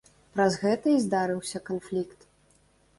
Праз гэта і здарыўся канфлікт.